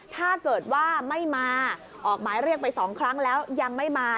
ถ้าเกิดว่าไม่มาออกหมายเรียกไป๒ครั้งแล้วยังไม่มา